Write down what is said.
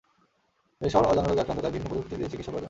এই শহর অজানা রোগে আক্রান্ত, তাই ভিন্ন পদ্ধতিতে চিকিৎসা প্রয়োজন।